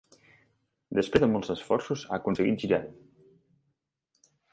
Després de molts esforços ha aconseguit girar-ho.